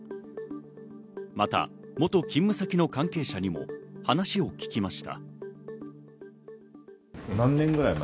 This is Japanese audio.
また元勤務先の関係者にも話を聞きました。